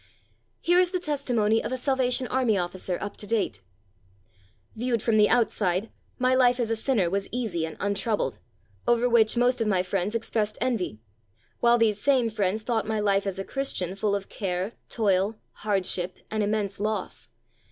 Here is the testimony of a Salvation Army Officer up to date: "Viewed from the outside, my life as a sinner was easy and untroubled, over which most of my friends expressed envy; while these same friends thought my life as a Christian full of care, toil, hardship, and immense loss.